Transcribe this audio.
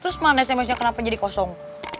terus mana sms nya kenapa jadi kosong